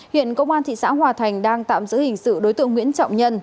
hiện công an thị xã hòa thành đang tạm giữ hình sự đối tượng nguyễn trọng nhân